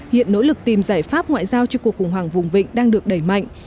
hiện nỗ lực tìm giải pháp ngoại giao cho cuộc khủng hoảng vùng vịnh đang được đẩy mạnh